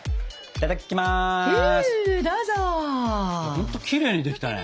ほんときれいにできたね。